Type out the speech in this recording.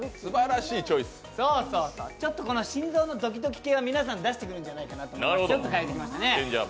心臓のドキドキ系は皆さん出してくるんじゃないかと思ってちょっと変えてきましたね。